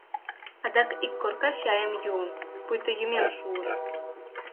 Адак ик корка чайым йӱым, пуйто йӱмем шуын...